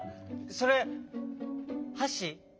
それはし？